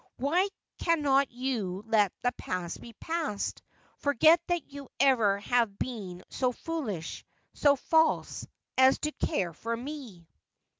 ' Why cannot you let the past be past — forget that you ever have been so foolish, so false, as to care for me